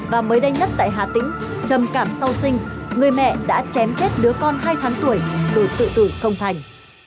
và mới đây nhất tại hà tĩnh trầm cảm sau sinh người mẹ đã chém chết đứa con hai tháng tuổi rồi tự tử không thành